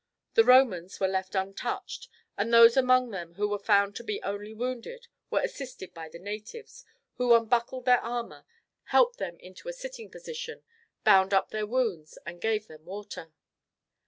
The Romans were left untouched, and those among them who were found to be only wounded were assisted by the natives, who unbuckled their armour, helped them into a sitting position, bound up their wounds, and gave them water.